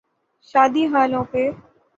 شادی ہالوں پہ۔